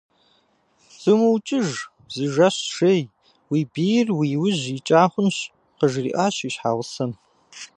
Зумыукӏыж, зы жэщ жей, уи бийр уи ужь икӏа хъунщ, - къыжриӏащ и щхьэгъусэм.